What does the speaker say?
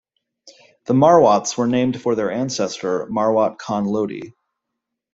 The Marwats were named for their ancestor Marwat Khan Lodi.